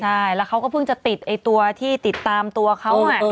ใช่แล้วเขาก็เพิ่งจะติดตัวที่ติดตามตัวเขา